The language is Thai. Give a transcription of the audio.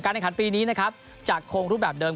การแข่งขันปีนี้นะครับจากโครงรูปแบบเดิม